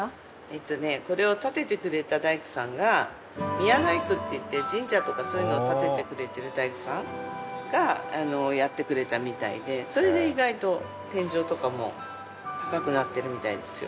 宮大工っていって神社とかそういうのを建ててくれてる大工さんがやってくれたみたいでそれで意外と天井とかも高くなってるみたいですよ。